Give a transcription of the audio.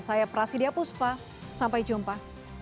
saya prasidya puspa sampai jumpa